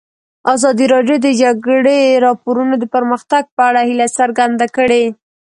ازادي راډیو د د جګړې راپورونه د پرمختګ په اړه هیله څرګنده کړې.